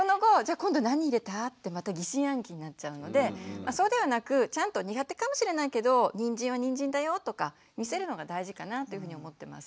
「今度何入れた？」ってまた疑心暗鬼になっちゃうのでそうではなくちゃんと苦手かもしれないけどにんじんはにんじんだよとか見せるのが大事かなというふうに思ってます。